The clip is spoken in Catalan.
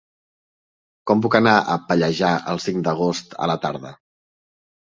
Com puc anar a Pallejà el cinc d'agost a la tarda?